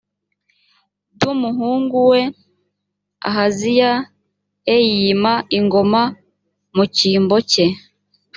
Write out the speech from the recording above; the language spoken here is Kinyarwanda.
d umuhungu we ahaziya e yima ingoma mu cyimbo cye